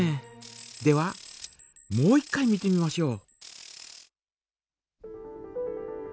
ではもう一回見てみましょう。